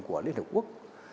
của liên hợp quốc